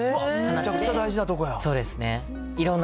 めちゃくちゃ大事なとこやん。